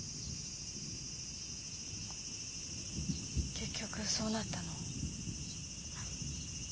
結局そうなったの。